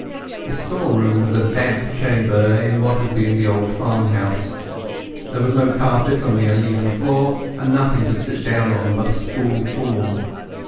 The storeroom was a damp chamber in what had been the old farmhouse. There was no carpet on the uneven floor, and nothing to sit down on but a school form.